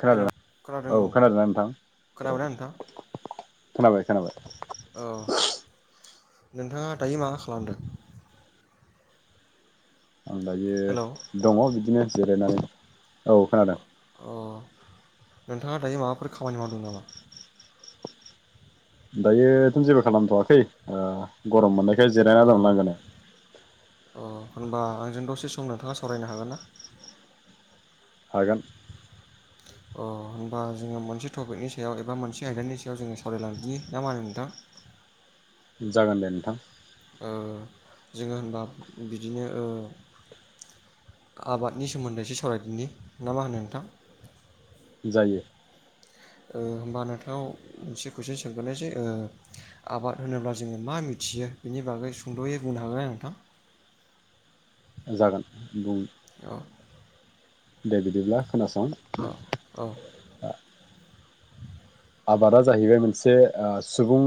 खोनादों हेलौ खोनादों औ खोनादोंना नोंथां औ खोनाबायना नोंथां खोनाबाय खोनाबाय औ नोंथाङा दायो मा खालामदों आं दायो हेलौ दङ बिदिनो जिरायनानै औ खोनादों अ नोंथाङा दायो माबाफोर खामानि मावदों नामा दायोथ' जेबो खालामथ'आाखै ओ गरम मोननाय अ जिरायना दं लांनांगोनायाव हेनबा आंजों दसे सम नोंथाङा सावरायनो हागोन ना हागोन अ होनबा जोङो मोनसे टपिकनि सायाव एबा मोनसे आयदानि सायाव जोङो सावरायलांदि ना मा होनो नोंथां [inaudible] जागोन दे नोंथां ओ जोङो होनबा बिदिनो ओ आबादनि सोमोन्दै एसे सावरायदिनि ना मा होनो नोंथां? जायो ओ होमबा नोंथांनाव मोनसे कुइसन सोंग्रोनोसै ओ आबाद होनोब्ला जोङो मा मिथियो? बेनि बागै सुंद'यै बुंनो हागोन ना नोंथां? जागोन बुं औ दे बिदिब्ला खोनासं औ आबादा जाहैबाय मोनसे सुबुं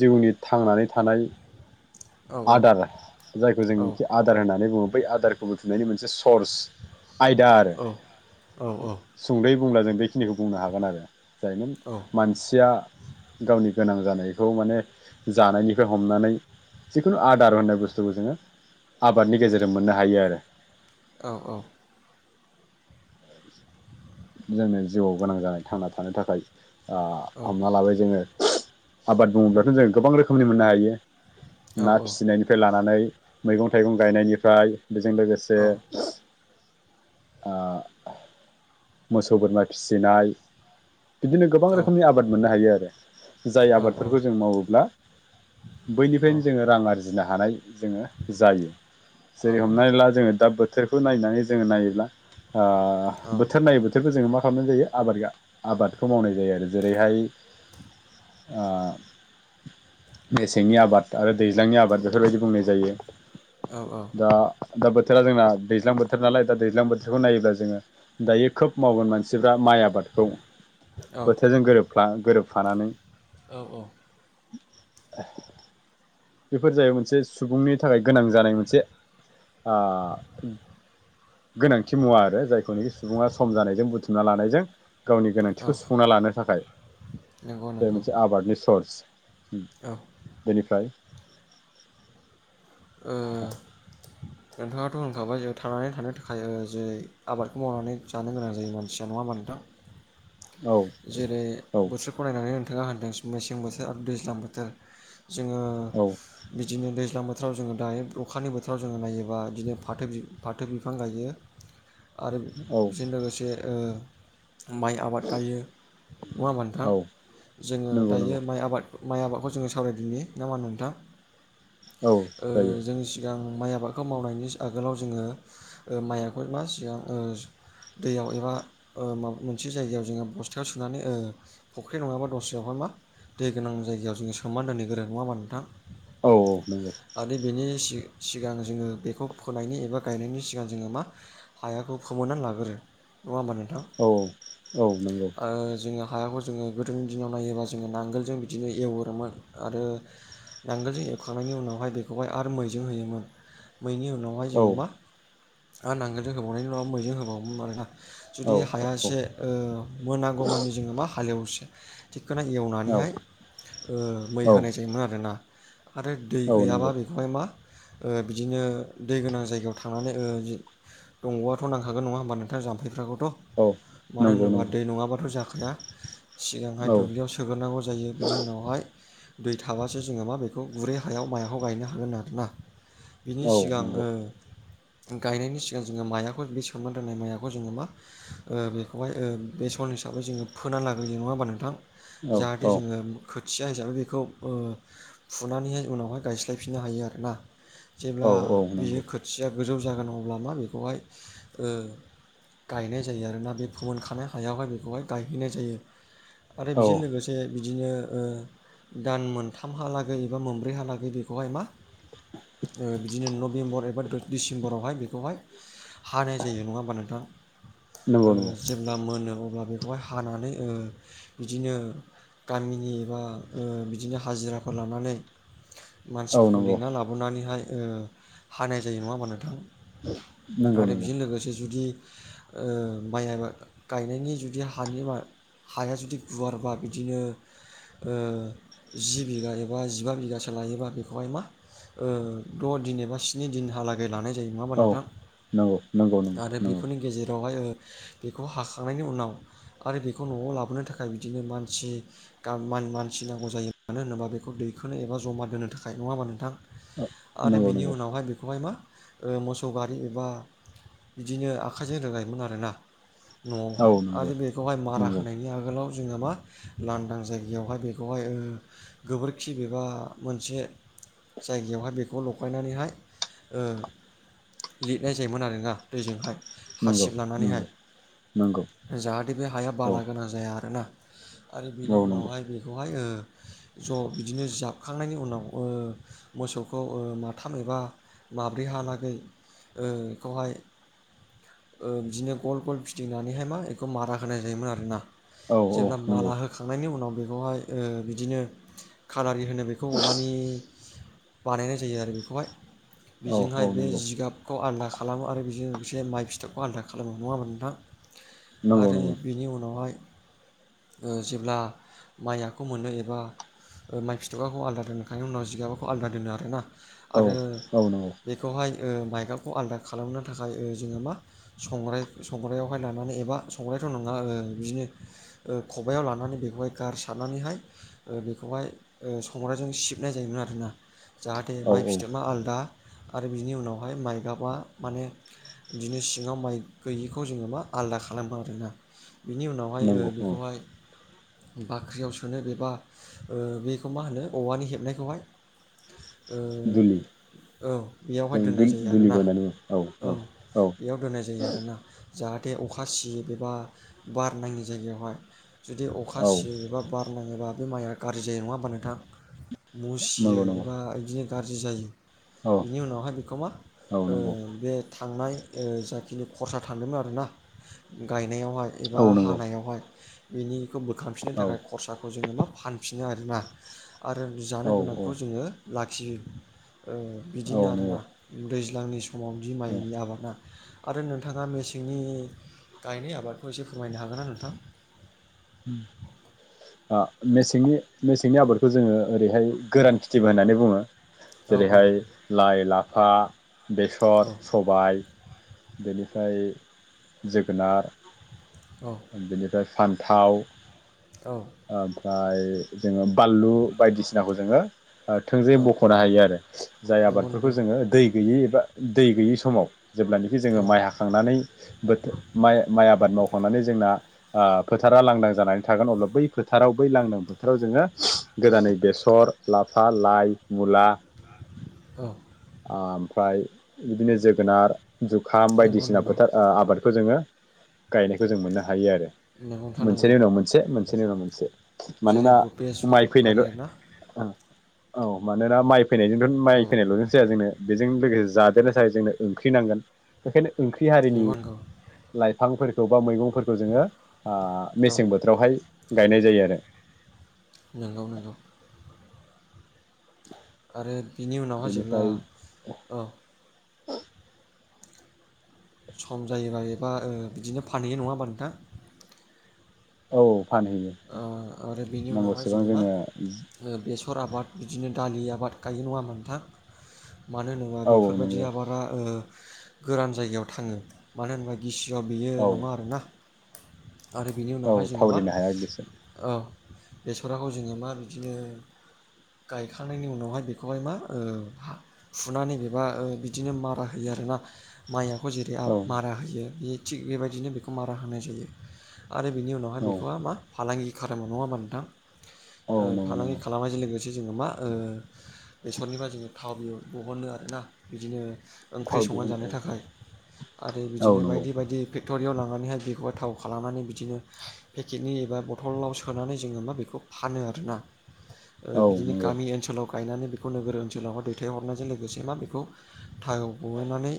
जिउनि थांनानै थानाय आदार जायखौ जों आदार होननानै बुङो बै आदारखौ बुथुमनायनि मोनसे कोरस आयदा आरो सुंदयै बुंब्ला जों बेखिनिखौ बुंनो हागोन आरो जायनो मानसिया गावनि गोनां जानायखौ माने जानायनिफ्राय हमनानै जिखुनु आदार होननाय बुस्थुखौ जोङो आबादनि गेजेरजों मोननो हायो आरो। औ औ जोंनो जिउआव गोनां जानाय थांना थानो थाखाय ओ हमना लाबाय जोङो आबाद बुङोब्लाखौनो जों गोबां रोखोमनि मोननो हायो ना फिसिनायनिफ्राय लानानै मैगं थाइगं गायनायनिफ्राय बेजों लोगोसे मोसौ बोरमा फिसिनाय बिदिनो गोबां रोखोमनि आबाद मोननो हायो आरो जाय आबादफोरखौ जों मावोब्ला बैनिफ्रायनो जोङो रां आरजिनो हानाय जोङो जायो। जेरै हमनानै ला जोङो दा बो थोरखौ नायनानै जोङो नायोब्ला बोथोर नायै बोथोरखौ जोङो मा खालामनाय जायो आबाद आबादखौ मावनाय जायो आरो जेरैहाय ओ मेसेंनि आबाद आरो दैज्लांनि आबाद बेफोरबायदि बुंनाय जायो। दा दा बोथोरा जोंना दैज्लां बोथोर नालाय दा दैज्लां बोथोरखौ नायोब्ला जोङो दायो खोब मावगोन मानसिफ्रा माइ आबादखौ औ बोथोरजों गोरोबफ्ला गोरोब फानानै औ औ बेफोर जायो मोनसे सुबुंनि थाखाय गोनां जानाय मोनसे गोनांथि मुवा आरो जाय खौनोखि सुबुङा सम जानायजों बुथुमना लानायजों गावनि औ गोनांथिखौ सुफुंना लानो थाखाय नंगौ नंगौ मोनसे आबादनि सर्स औ ओ बेनिफ्राय ओ नोंथाङा थ' होनखाबाय जों थानानै थानो थाखाय जे आबादखौ मावनानै जानो गोनां जायो मानसिया नङा होमबा नोंथां? [inaudible] औ जेरै औ बोथोरखौ नायनानै हो नदों मेसें बोथोर आरो दैज्लां बोथोर जोङो बिदिनो दै ज्लां बोथोराव जोङो दायो अखानि बोथोराव जोङो नायोबा बिदिनो फाथो फाथो बिफां गायजायो। आरो औ बेजों लोगोसे ओ माइ आबाद गायो। अवा नोंथां औ औ जोङो नंगौ दायो नंगौ माइ आबाद माइ आबादखौ जोङो सावरायदोनि ना मा होनो नोंथां औ ओ जायो जोंनि सिगां माइ आबादखौ मावनायनि आगोलाव जोङो माइखौ मा सिगां ओ दैयाव एबा माबा मोनसे जायगायाव जोङो ब स्थायाव सुनानै फख्रि नङाबा दस्रायावहाय मा दै गोनां जायगायाव जोङो सोमनानै दोनहैग्रोयो नङा होमबा नोंथां? औ औ नंगौ। सिगां जोङो बेखौ फोनायनि एबा गायनायनि सिगां जोङो मा हायाखौ फोमोननानै लाग्रोयो। नङा होनबा नों औ औ नंगौ। जोङो हायाखौ जोङो गोदोनि दिनाव नायोब्ला जोङो नांगोलजों बिदिनो एवहरोमोन आरो नांगोलजों एवखांनायनि उनावहाय बेखौहाय आरो मैजों होयोमोन। मैनि उनावहाय जोङो औ मा आरो नांगोलजों होबावनायनि उनाव मैजों होबावोमोन आरोना। औ जुदि औ हाया से मोनागौमानि जोङो मा हालेवसिगोन। थिखखोना औ औ एवनानैहाय ओ मै होनाय जायोमोन आरोना। आरो दै गैयाबा नंगौ बेखौहाय मा ओ बिदिनो दै गोनां जायगायाव थांनानै ओ दंगआथ' नांखागोन नंङाओमबा नोंथां जाम्फफोरखौ' औ नंगौ नंगौ। बाथ' जाखाया सिगांहाय औ दुब्लियाव सोग्रोनांगौ जायो बिनि उनावहाय दै थाबासो जोङो मा बेखौ गुरै हायाव मायाखौ गायनो हागोन आरो ना। बिनि औ सिगां नंगौ ओ गायनायनि सिगां जोङो माइयाखौ बे सोमनानै दोननाय माइयाखौ जोङो मा ओ बेखौहाय ओ बे सन हिसाबै जोङो फोना लाग्रोयो नङा होमबा नोंथां औ जाहाथे औ जोङो खोथिया हिसाबै बेखौ ओ फुनानैहाय उनावहाय गायस्लायफिननो हायो आरोना। जेब्ला औ बियो नंगौ खोथिया गोजौ जागोन अब्ला मा बेखौहाय ओ गायनाय जायो आरोना बे फोमोनखानाय हायावहाय बेखौहाय गायहैनाय जायो आरो औ बेजों लोगोसे बिदिनो दान मोनथामहालागै एबा मोनब्रैहालागै बेखौहाय मा ओ‌ बिदिनो नभेम्बर एबा डिसेम्बरावहाय बेखौहाय हानाय जायो नङा होमबा नोंथां ओ नंगौ नंगौ जेब्ला मोन अब्ला बेखौहाय हानानै बिदिनो गामिनि एबा ओ बिदिनो हाजिराफोर लानानै मानसिफोरखौ औ लिंना लाबोनानैहाय ओ हानाय जायो। नङा होमबा नोंथां? नंगौ आरो नंगौ बेजों लोगोसे जुदि ओ माइ आबाद गायनायनि जुदि हानि मा हाया जुदि गुवारबा बिदिनो ओ जि बिगा एबा जिबा बिगासो लायोबा बेखौहाय मा ओ द' दिन एबा स्नि दिनहालागै लानाय जायो नङाओमबा औ नोंथां? नंगौ नंगौ नंगौ आरो नंगौ बेफोरनि गेजेरावहाय ओ बेखौ हाख खांनायनि उनाव आरो बेखौ न'आव लाबोनो थाखाय बिदिनो मानसि गामिनि मानसि नांगौ जायो। मानो होनोबा बेखौ दैखोनो एबा जमा दोनो थाखाय नङा होमबा नोंथां? आरो नंगौ बिनि नंगौ उनावहाय बेखौहाय मा ओ मोसौ गारि एबा बिदिनो आखाइजों रोंगायोमोन आरोना। औ न'आवहाय नंगौ आरो बेखौहाय मारा नंगौ होनायनि आगोलाव जोङो मा लांदां जायगायावहाय बेखौहाय ओ गोबोरखि एबा मोनसे जायगायावहाय बेखौ लगायनानैहाय ओ लिदनाय जायोमोन आरोना दैजोंहाय। नंगौ हासिब नंगौ नंगौ लानानैहाय जाहाथे बे हाया औ बाला गोनां जाया आरोना। आरो बिनि औ नंगौ उनावहाय बेखौहाय ओ ज' बिदिनो जाबखांनायनि उनाव ओ मोसौखौ ओ माथाम एबा माब्रै हालागै ओ बेखौहाय ओ बिदिनो गल गल गिदिंनानैहाय मा बेखौ मारा होनाय जायोमोन आरोना। औ औ जेब्ला नंगौ मारा होखांनायनि उनाव बेखौहाय ओ बिदिनो खालारि होनो बेखौ औवानि बानायनाय जायो आरो बेखौहाय औ बेजोंहाय औ बे नंगौ जिगाबखौ आलादा खालामो आरो बेजों लोगोसे माइ फिथोबखौ आलदा खालामो। नङामोन नोंथां? नंगौ आरो नंगौ बेनि उनावहाय ओ जेब्ला माइआखौ मोनो एबा माइ फिथाइयाखौ आलदा दोननोखांनायनि उनाव जिगाबाखौ आलादा दोनो आरो ना। औ आरो औ नंगौ बेखौहाय ओ माइगाबखौ आलदा खालामनो थाखाय ओ‌ जोङो मा संग्राय संग्रायाव लानानै एबा संग्रायथ' नङा बिदिनो ओ‌ खबायाव लानानै बेखौहाय गार सारनानैहाय ओ बेखौहाय ओ संग्रायजों सिबनाय जायोमोन आरोना। जाहाथे औ माइ फिथोबा आलदा आरो बिनि उनावहाय माइगाबा माने बिदिनो सिङाव माइ गैयिखौ जेनेबा आलादा खालामबो आरोना बिनि उनावहाय ओ नंगौ औ बेखौहाय बाख्रियाव सोनो एबा ओ बेखौ मा होनो औवानि हेबनायखौहाय? ओ दुलि औ एयावहाय जों दोननाय जायो दुलिबो आरोना होननानै बुङो औ औ एयाव दोननाय जायो आरोना जाहाथे बे अखा सियै एबा बारनाङि जायगायावहाय जुदि अखा औ सियोबा बार नांङोबा बे माइआ गाज्रि जायो नंङा होमबा नोंथां? मुसियो नंगौ नंगौ एबा बिदिनो गाज्रि जायो। औ बेनि उनावहाय बेखौ मा औ ओ नंगौ बे थांनाय ओ जाखिनि खरसा थांदोंमोन आरोना गायनायावहाय एबा औ नंगौ हानायावहाय बेनिखौ बोखांफिननो औ थाखाय खरसाखौ जोनङो मा फानफिनो आरोना आरो जानो औ गोनांखौ जोंङो लाखियो ओ औ बिदिनो नंगौ आरोना दैज्लां सिगांनि समाव बि औ माइनि आबाद ना आरो नोंथांङा मेसेंनि गायनाय आबादखौ एसे फोरमायनो हागोनना नोंथां? ओ मेसेंनि मेसेंनि आबादखौ जोंङो ओरैहाय औ गोरान खिथिबो होननानै बुंङो औ जेरैहाय लाइ, लाफा, बेसर, सबायाइ, बेनिफ्राय जोगोनार औ बेनिफ्राय फान न्थाव, औ ओ ओमफ्राय जोंङो बानलु बायदिसिनाखौ जोंङो ओ थोंजोायै औ बख'नो हायो आरो जाय नंगौ आबादफोरखौ नंगौ जोंङो दै गैयै एबा दै गैयि समाव जेब्लानाखि जोंङो औ माइ हाखांनानै बोथोर माइ माइ आबाद मावखांनानै जों जों फोथारा लांनदां जानानै थागोन अब्ला बै फोथाराव लांदां फोथाराव जोंङो गोरान बेसर, लाफा, लाइ, मुला, औ आ ओमफ्राय बिदिनो जोगोनार जुखाम नंगौ बायदिसिना नंगौ फोथार ओ आबादखौ जोंङो गायनायखौ जों मोननो हायो आरो मैगं मोनसेनि थानांगौ उनाव मोनसे मोनसेनि उनाव मोनसे जेरै मानोना माइ बेसर फैनायल' आरि ना ओ औ मानोना माइ फैनायजोंथ' माइ औ फैनायल' जाया जोंनो बेजों लोगोसे जादेरनो थाखाय जोंनो ओंख्रि नांगोन बेखायनो ओंख्रि हारिनि नंगौ नंगौ लाइफांफोरखौ बा मैगंफोरखौ जोंङो ओ औ मेसें बोथोरावहाय गायनाय जायो आरो नंगौ नोंगौ आरो बिनि उनावहाय जेब्ला बेनिफ्राय औ [inaudible] सम जायोबा एबा ओ बिदिनो फानहैयो नंङा हानबा नोंथां? औ फानहैयो ओ नांगौसेबां जोंनों बेसर‌ आबाद, बिदिनो दालि आबाद, गायो नंङा ओमबा नोंथां मानो होनोबा औ औ बेफोरबायदि नंगौ आबादा ओ गोरान जायगायाव थांङो मानो होनोबा गिसिआव बेयो औ नंङा आरोना आरो बेनि औ उनावहाय जोने'बा थावरिनो हाया गोसो औ बेसराखौ जोंङो मा बिदिनो गायखांनायनि उनावहाय बेखौहाय मा ओ फुनानै एबा ओ बिदिनो मारा होयो आरोना मायखौ जेरै औ मारा होयो बे थिग बेबायदिनो बेखौ मारा होनाय जायो, आरो बिनि उनावहाय औ बेखौहाय मा फालांगि खालामो नंङा होनबा नोंथां? औ ओ नंगौ फालांगि नंगौ खालामनायजों लोगोसे जोंङो मा ओ बेसरनिफ्राय जोंङो थावबो ब'हनो आरोना बिदिनो ओंख्रि थाव संना दिहुनो जानो औ थाखाय आरो औ बिदिनो नंगौ बायदि बायदि [inaudible] फेक्ट'रियाव लांनानैहाय बेखौहाय थाव खालामनानै बिदिनो पेकेटनि एबा बथल सोनानै जोंङो मा बेखौ फानो आरोना ओ औ बिदिनो नंगौ गामि ओनोलाव गायनानै बेखौ नोगोर ओनसोलावा दैथायहरनायजों लोगोसे मा होनो बेखौ थायाव ब'हनानै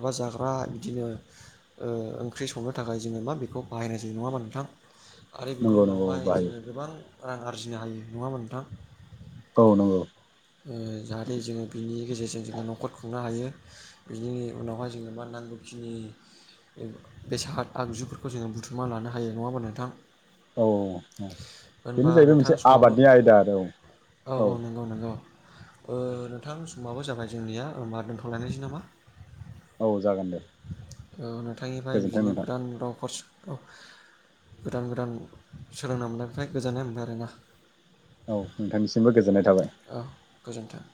एबा जाग्रा बिदिनो ओ ओंख्रि संनो थाखाय जोङो मा बेखौ बाहायनाय जायो नङाबा नोंथां? आरो बिनि नंगौ नंगौ उनावहाय बाहायो जोङो गोबां रां आरजिनो हायो नङा होमबा नोंथां। औ नंगौ। ओ जाहाथे जोङो बिनि गेजेरजों जोङो न'खर खुंनो हायो बिनि उनावहाय जोङो मा नांगौखिनि बेसाद आगजुफोरखौ जोङो बुथुमना लानो हायो नङा होमबा नोंथां? औ होनबा बेनो जाहैबाय नोंथां मोनसे समाबो आबादनि आयदा आरो औ। औ औ नंगौ नंगौ। ओ नोंथां समाबो जाबाय जोंनिया ओमबा दोन्थ'लायनायसै नामा? औ। जागोन दे औ नोंथांनिफ्राय गोजोन्थों बिदिनो नोंथां गोदान रावफोर औ गोदान गोदान सोलोंना मोननायनिफ्राय गोजोननाय मोनबाय आरोना। औ नोंथांनिसिमबो गोजोननाय थाबाय। औ गोजोन्थों